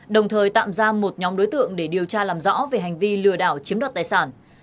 đồng thời tạm giam một nhóm đối tượng để điều tra làm rõ về hành vi lừa đảo chiếm đoạt tài sản